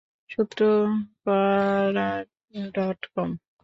সূত্র Quora dot কম।